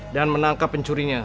dan menangkap pencurinya